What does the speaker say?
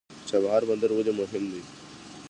د چابهار بندر ولې مهم دی؟